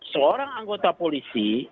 seorang anggota polisi